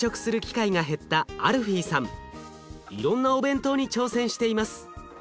いろんなお弁当に挑戦しています。